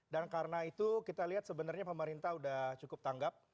dan karena itu kita lihat sebenarnya pemerintah sudah cukup tanggap